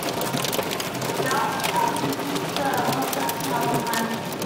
The album cover depicts a cross section of a pineapple.